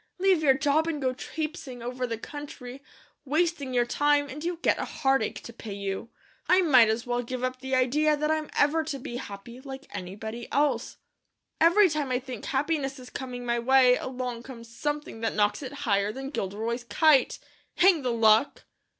Leave your job and go trapesing over the country, wasting your time, and you get a heartache to pay you. I might as well give up the idea that I'm ever to be happy, like anybody else. Every time I think happiness is coming my way, along comes something that knocks it higher than Gilderoy's kite. Hang the luck!"